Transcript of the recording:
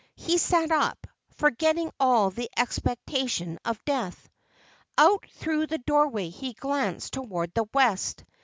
He sat up, forgetting all the expectation of death. Out through the doorway he glanced toward the west.